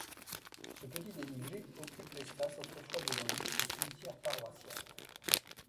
Ce petit dénivelé occupe l'espace autrefois dévolu au cimetière paroissial.